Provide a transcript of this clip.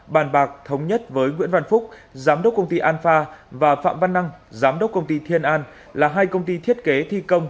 bàn bạc thống nhất với nguyễn văn phúc giám đốc công ty an pha và phạm văn năng giám đốc công ty thiên an là hai công ty thiết kế thi công